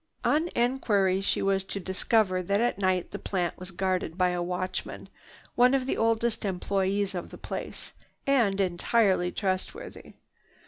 On enquiry she was to discover that at night the plant was guarded by a watchman, one of the oldest employees of the place, and entirely trustworthy.